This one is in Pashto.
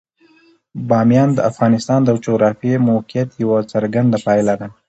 بامیان د افغانستان د جغرافیایي موقیعت یوه څرګنده پایله ده.